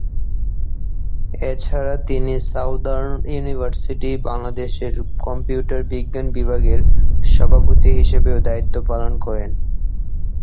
এছাড়া তিনি Southern University বাংলাদেশের কম্পিউটার বিজ্ঞান বিভাগের সভাপতি হিসেবেও দায়িত্ব পালন করেন।